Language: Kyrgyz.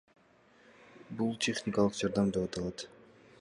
Бул техникалык жардам деп аталат.